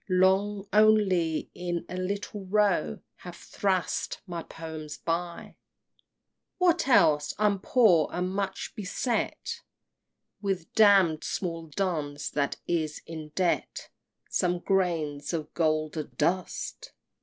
Long, only, in a little Row, Have thrust my poems by! XXVII. What else? I'm poor, and much beset With damn'd small duns that is in debt Some grains of golden dust!